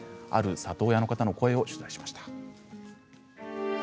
ある里親の方の声を取材しました。